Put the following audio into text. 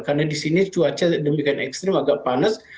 karena di sini cuaca demikian ekstrim agak panas